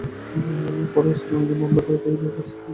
পরে অস্ত্র আইনে মামলা দায়ের করে তাঁকে পাঁচবিবি থানায় সোপর্দ করা হয়।